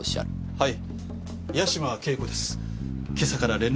はい。